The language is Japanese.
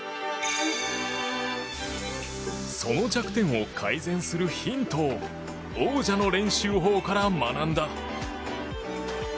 その弱点を改善するヒントを王者の練習法から学んだ。